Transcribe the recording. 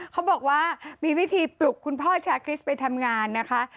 เขาบอกว่ามีวิธีปลุกคุณพ่อชาคริสไปทำงานนะคะ